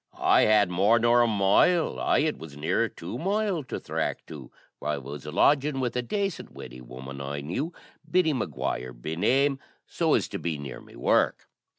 I had more nor a mile aye, it was nearer two mile to thrack to, where I was lodgin' with a dacent widdy woman I knew, Biddy Maguire be name, so as to be near me work.